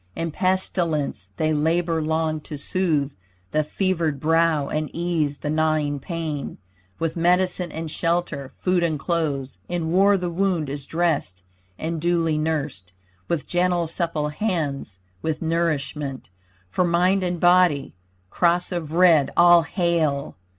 In pestilence, they labor long to soothe The fevered brow and ease the gnawing pain With medicine and shelter, food and clothes. In war the wound is dressed and duly nursed With gentle supple hands with nourishment For mind and body. Cross of red, all hail!